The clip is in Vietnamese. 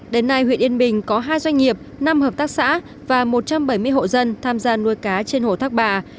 đến nay huyện yên bình có hai doanh nghiệp năm hợp tác xã và một trăm bảy mươi hộ dân tham gia nuôi cá trên hồ thác bà